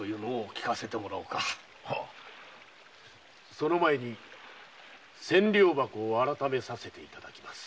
その前に千両箱を改めさせていただきます。